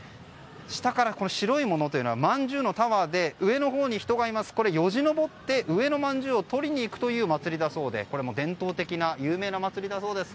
下からこの白いものというのはまんじゅうのタワーで上のほうに人がいますがよじ登って上のまんじゅうを取りに行くという祭りだそうで伝統的な有名な祭りだそうです。